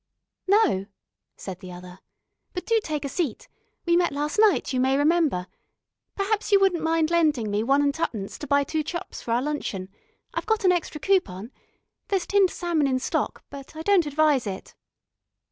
"No," said the other. "But do take a seat. We met last night, you may remember. Perhaps you wouldn't mind lending me one and twopence to buy two chops for our luncheon. I've got an extra coupon. There's tinned salmon in stock, but I don't advise it."